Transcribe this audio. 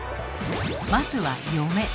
まずは「嫁」。